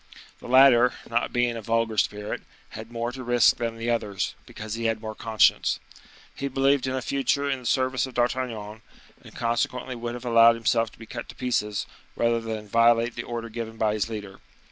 The latter, not being a vulgar spirit, had more to risk than the others, because he had more conscience. He believed in a future in the service of D'Artagnan, and consequently would have allowed himself to be cut to pieces, rather than violate the order given by his leader.